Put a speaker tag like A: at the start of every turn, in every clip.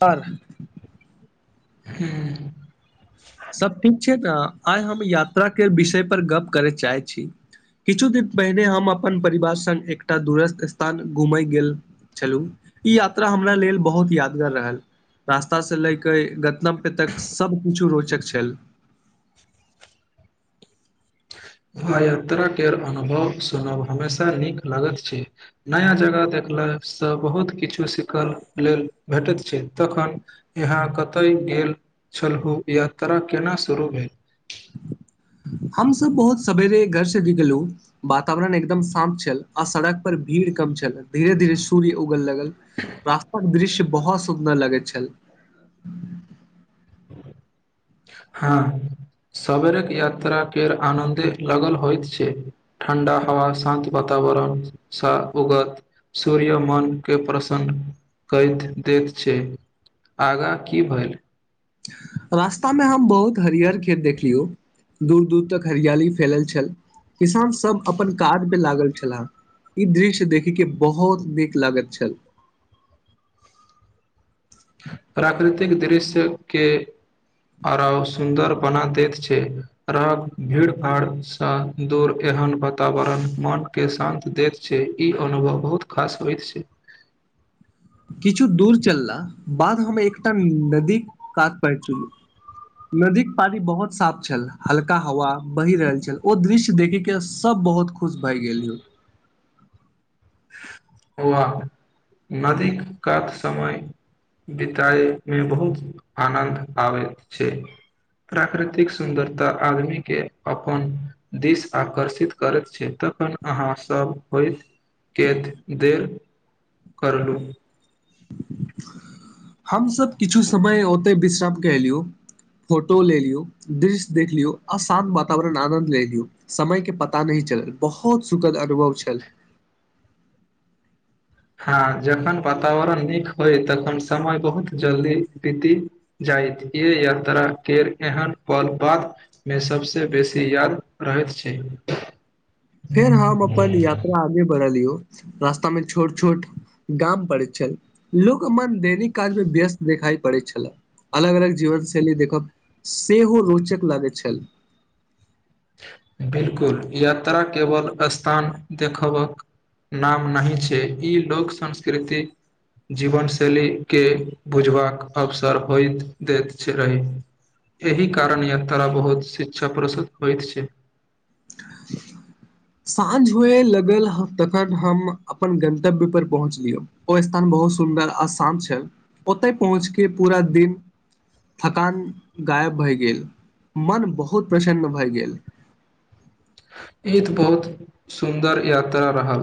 A: पर
B: हँ
A: सब ठीक छै ने आइ हम यात्रा के विषय पर गप करय चाहै छी किछु दिन पहिने हम अपन परिवार स्ग एकटा दरस्थ स्थान घुमय गेल छलहुँ ई यात्रा हमरा लेल बहुत यादगार रहल रास्ता से लए के गतमक सब किछु रो चक छल
B: वाँ यात्राके अनुभव सुनब हमेशा नीक लागैत छै नया जगह देखलासँ बहुत किछु सिखल लेल भेटैत छै तखन यहाँ कतय गेल छलहु यात्रा केना शुरू भेल
A: हमसब बहुत सवेरे घर से गि गेललु वातावरण एकदम शान्त छल आ सड़क पर भीड़ कम छल धीेरे धीरे सूर्य उगल लगल रास्ताक दृश्य बहुत सुन्दर लगैत छल
B: हँ सवेरके यात्राक केर आनन्दे लगल होइत छै ठण्डा हवा शान्त वातावरणसँ उगत सूर्य मनके प्रसन्न कहि दैत छै आगाँ की भेल
A: रास्तामे हम बहुत हरियर खेत देखलियौ दूर दूर तक हरियाली फैलल छल किसान सब अपन काज पे लागल छलह ई दृश्य देखैके बहुत नीक लागैत छल
B: प्रतेक दृश्यके अरााव सुन्दर बना दैत छै रह भीड़ भाड़सँ दूर एहन वातावरण मनके शान्त दैत छै ई अनुभव बहुत खास होइत छै
A: किछु दूर चलला बाद हम एकटा नदी कात प चुलू नदीक पानी बहुत साफ छल हल्का हवा बहि रहल छल ओ दृश्य देखे के सब बहुत खुश भए गेल
B: वा नदीक कात समय बितय मे बहुत आनन्द आबैत छै प्राकृतिक सुन्दरता आदमी के अपन दिश आकर्षित करैत छै तखन अहाँ सब होइत केत दे करलू
A: हमसब किछु समय ओते विश्राम कलियो फोटो लेलियो दृश्य देख लियो आशान्त वातावरण आनन्द लेलियो समय के पता नहिी चलल बहुत सुखद अनुभव छल
B: हँ जखन वातावरण नीक होय तखन समय बहुत जल्दी बीति जायत य यात्रा केर एहन फल बादमे सभसँ बेसी याद रहैत छै
A: फेर हम अपन यात्रा आगे बढ़लियौ रास्ता मे छोट छोट गाम पड़ैत छल लोक अपनन दैनिक काज मे व्यस्त देखाई पड़ैत छले अलग अलग जीवन शैली देखब सेहो रोचक लागैत छल
B: बिलकुल यात्रा केवल स्थान देखबक नाम नहिही छै ई लोक संस्कृति जीवन शैली के बुझबाक अवसर होइत दैत रही एहि कारण यात्रा बहुत शिक्षा प्रस होयत छै
A: साँझ हुए लगल तखन हम अपन गन्तव्य पर पहुँचलियौ ओ स्थान बहुत सुन्दर आ शान्त छल ओतय पहुँच के पूरा दिन थकान गायब भए गेल मन बहुत प्रसन्न भए गेल
B: ईत बहुत सुन्दर यात्रा रहल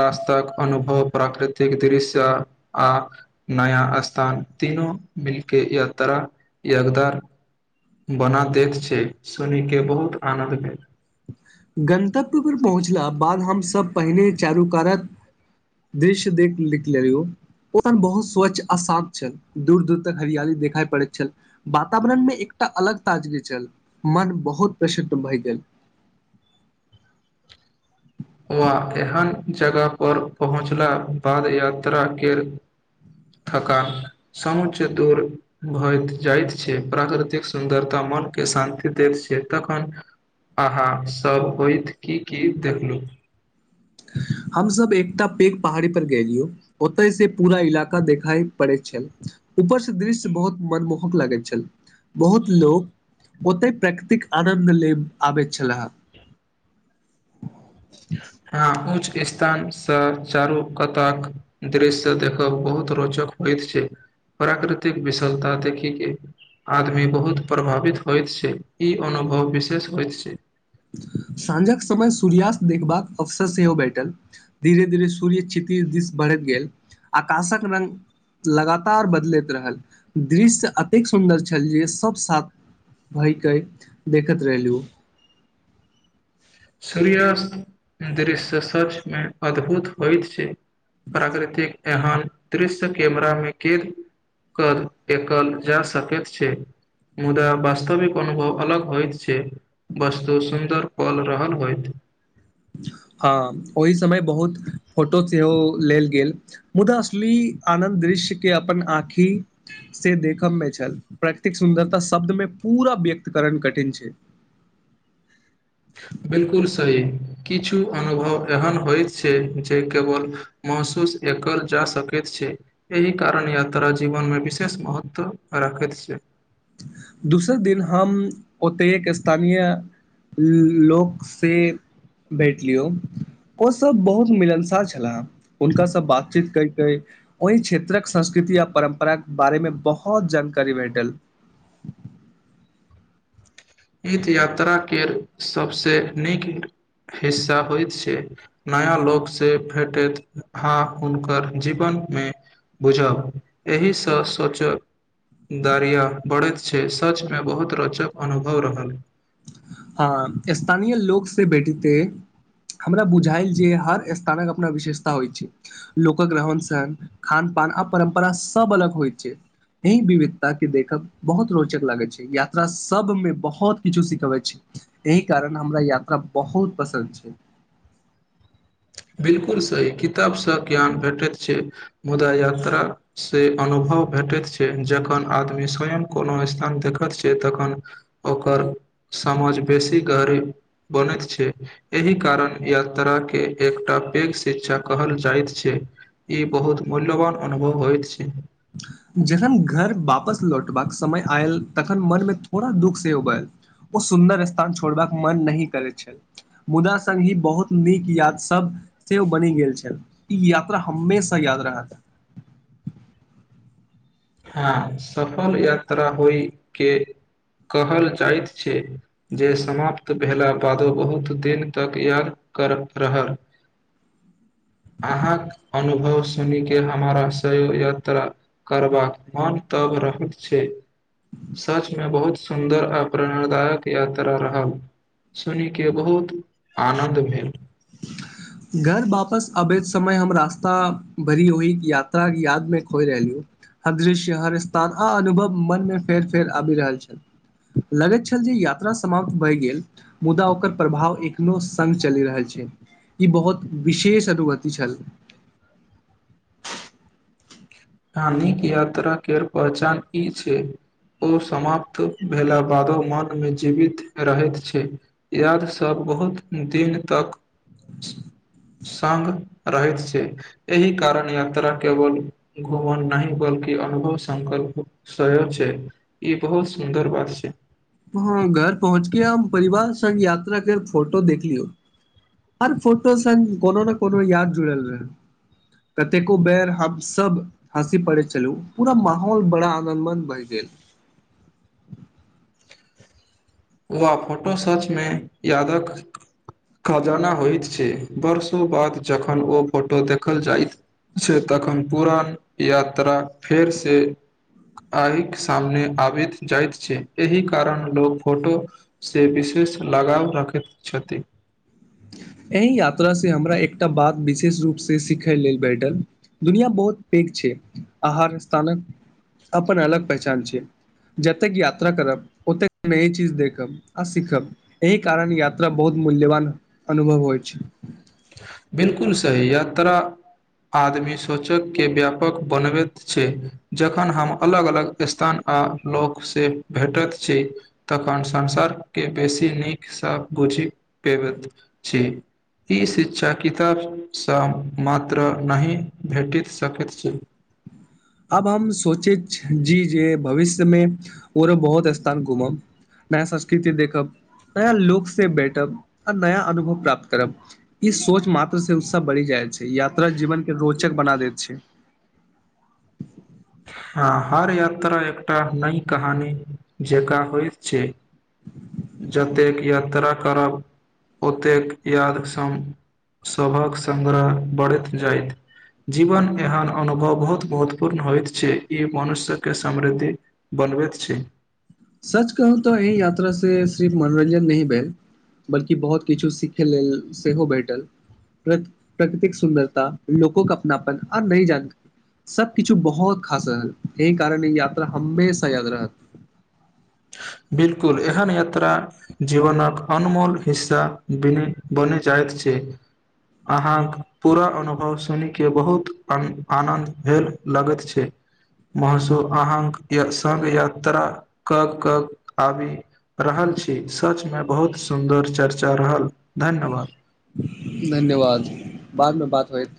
B: रास्ताक अनुभव प्राकृतिक दृश्य आ नया स्थान तीनू मिलके यात्रा यगदार बना दैत छै सुन कऽ बहुत आनन्द भेल
A: गन्तव्य पर पहुँचला बाद हमसभ पहिने चारू कारक दृश्य देख लिख लेलिय ओ बहुत स्वच्छ आ शान्त छल दूर दूर तक हरियाली देखाइ पड़ैत छल वातावरण मे एकटा अलग ताजगी छल मन बहुत प्रसन्न भहि गेल
B: वा एहन जगह पर पहुँचला बाद यात्रा के थका समच दूर भइत जाइत छै प्राकृतिक सुन्दरता मने शान्ति दैत छै तखन अहाँ सब होइत की की देखलू
A: हमसब एकटा पैघ पहाड़ी पर गेलिय ओतय से पूरा इलाका देखाइ पड़ैत छल ऊपर से दृश्य बहुत मनमोहक लागैत छल बहुत लोक ओतेक प्रेकृतिक आनन्द ले आबै छला
B: हां ओउछ इस्तान स चालू
A: साँझक समय सूर्यास्त देखबाक अवसर सेहो भेटल धीरे धीरे सूर्य क्षितिर दिश बढ़ैत गेल आकाशक रङ्ग लगातार बदलैत रहल दृश्य एतेक सुन्दर छल जे सभ सात भयके देखैत रहलूँ
B: सूर्यस्त दृश्यच मे अद्भुत होइत छै प्राकृतिक एहन दृश्य कैमरा मे कैद कर एकल जा सकैत छै मुदा वास्तविक अनुभव अलग होय छै वस्तु सुन्दर पल रहन होइत
A: हँ ओहि समय बहुत फोटो सेहो लेल गेल मुदा असली आनन्द दृश्य के अपन आँखि से देखबमे छैल प्रकृतिक सुन्दरता शब्दमे पूरा व्यक्त करण कठिन छै
B: बिल्कुल सही किछु अनुभव एहन होइत छै जे केवल महसूस एकल जा सकैत छै एहि कारण यात्रा जीवनमे विशेष महत्व राखैत छै
A: दोसर दिन हम ओतेकक स्थानीय लोकसे भेट लियौ ओसभ बहुत मिलनसार छलाह हुनकासँ बातचीत कर कऽ ओहि क्षेत्रक संस्कृति आ परम्पराके बारेमे बहोत जानकारी भेटल
B: तीर्थ यात्रा के सबसे नीक हिस्सा होइत छै नया लोक से भेटैत आ हुनकर जीवन मे बुझब एहिसँ सोचक दरिया बढ़ैत छै सच मे बहुत रोचक अनुभ भ रहल
A: हँ स्थानीय लोक से भेटते हमरा बुझायल जे हर स्थानक अपना विशेषता होइ छै लोकल रहन सहन खान पान आ परम्परा सब अलग होइ छै एहि विविधता के देखक बहुत रोचक लागैत छै यात्रा सब मे बहुत किछु सिखबै छै एहि कारण हमरा यात्रा बहुत पसन्द छै
B: बिलकुल सही किताबसँ ज्ञान भेटैत छै मुदा यात्रा से अनुभव भेटैत छै जखन आदमी स्वयं कोनो स्थान देखैत छै तखन ओकर समझ बेसी गहरी बनैत छै एहि कारण यात्राके एकटा पैघ शिक्षा कहल जाइत छै इ बहुत मूल्यवान अनुभव होइत छै
A: जेखन घर वापस लौटबाक समय आयल तखन मनमे थोड़ा दुःख सेहो बयल ओ सुन्दर स्थान छोड़बाक मन नही करैत छल मुदा स्गी बहुत नीक याद सब सेहो बनि गेल छल ई यात्रा हमेशा याद रहत
B: हँ सफल यात्रा होइके कहल जाइत छै जे समाप्त भेला बादो बहुत दिन तक याद करत रहल अहाँक अनुभव सुन केे हमारासयो यात्रा करबाक मोन तब रहैत छै सचमे बहुत सुन्दर आ प्रेरणदायक यात्रा रहल सुन के बहुत आनन्द भेल
A: घर वापस अबैत समय हमरा रास्ता भरि ओहि यात्राक यादमे खोइ रहलियौ हर दृश्य हर स्थान आ अनुभव मनमे फेर फेर आबि रहल छल लगैत छल जे यात्रा समाप्त भए गेल मुदा ओकर प्रभाव एखनो सङ्ग चलि रहल छै ई बहुत विशेष अनुवति छल
B: हानिक यात्रा केर पहचान ई छै ओ समाप्त भेला बादो मन मे जीवित रहैत छै याद सब बहुत दिन तक संग रहैत छै एहि कारण यात्रा केवल घुमन न बल्कि अनुभव संकल्प सय छै ई बहुत सुन्दर बात छै
A: ह घर पहुँचके हम परिवार सङ्ग यात्राे के फोटो देखलियौ हर फोटो संग कोनो ने कोनो याद जुड़ल रहय कतेको बेर हम सब हँसी पड़ैत छलहु पूरा माहौल बड़ा आनन्दमन्द भहि गेल
B: व फोटो सचमे यादक खजाना होइत छै वर्षो बाद जखन ओ फोटो देखल जाइत से तखन पुरान यात्रा फेरसे आहिके सामने आबैत जाइत छै एहि कारण लोक फोटोसँ विशेष लगाव रखैत छथिन
A: एहि यात्रा से हमरा एकटा बात विशेष रूप से सिखय लेल भेटल दुनिया बहुत पैग छै आ हर स्थानक अपन अलग पहचान छै जतेक यात्रा करब ओतेक नय चीज देखब आ सीखब एहि कारण यात्रा बहुत मूल्यवान अनुभव होइ छै
B: बिलकुल सही यात्रा आदमी सोचकके व्यापक बनबैत छै जखन हम अलग अलग स्थान आ लोकसँ भेटैत छी तखन संसारके बेसी नीकसं बुझि पबैत छी ई शिक्षा किताबसँ मात्र नहि भेटि सकैत छै
A: आब हम सोचैत जी जे भविष्यमे ओरो बहुत स्थान घूमब नया संस्कृति देखब नया लोकसँ बैठब आ नया अनुभव प्राप्त करब ई सोच मात्रसँ उत्स बढ़ि जाइ छै यात्रा जीवनके रोचक बना दैत छै
B: आ हर यात्रा एकटा नई कहानी जेका होइत छै जतेक यात्रा करब ओतेक याद सब सबक संगग्रह बढ़ैत जायइत जीवन एहन अनुभव बहुत महत्वपूर्ण होयत छै ई मनुष्य के समृद्धि बनबैत छै
A: सच कहू तऽ एहि यात्रासँ सिर्फ मनोरञ्जन नहि भेल बल्कि बहुत किछु सीखय लेल सेहो भेटल प्र प्रकृतिक सुन्दरता लोकोके अपनापन आ नई जानकारी सभकिछु बहुत खास रहल एहि कारण ई यात्रा हमेशा याद रहत
B: बिलकुल एहन यात्रा जीवनक अनमोल हिस्सा बने बनि जाइत छै अहाँक पूरा अनुभव सुनि के बहुत आनन्द भेल लगैत छै महसूस अहाँक सङ्ग यात्रा कऽ कऽ आबि रहल छी सच मे बहुत सुन्दर चर्चा रहल धन्यवाद
A: धन्यवाद बादमे बात होयत